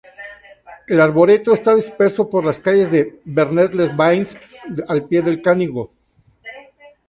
El arboreto está disperso por las calles de Vernet-les-Bains, al pie del Canigó.